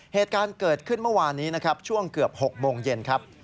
เหตุการณ์เกิดขึ้นเมื่อวานนี้นะครับช่วงเกือบ๖โมงเย็นครับ